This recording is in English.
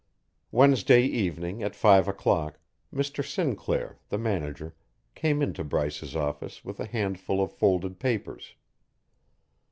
Wednesday evening at five o'clock Mr. Sinclair, the manager, came into Bryce's office with a handful of folded papers.